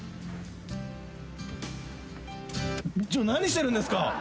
ちょっ何してるんですか！